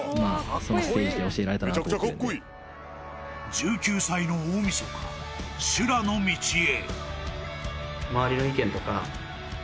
［１９歳の大晦日修羅の道へ］